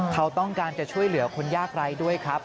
เขาต้องการจะช่วยเหลือคนยากไร้ด้วยครับ